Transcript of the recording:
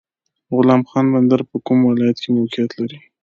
غلام خان بندر په کوم ولایت کې موقعیت لري؟